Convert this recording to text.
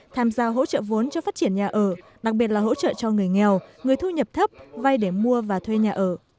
tham gia hỗ trợ vốn cho phát triển nhà ở đặc biệt là hỗ trợ cho người nghèo người thu nhập thấp vay để mua và thuê nhà ở